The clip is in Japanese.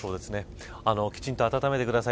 きちんと、暖めてください。